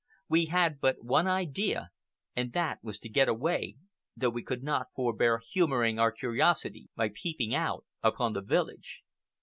We had but one idea, and that was to get away, though we could not forbear humoring our curiosity by peeping out upon the village.